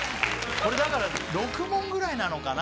これだから６問ぐらいなのかな？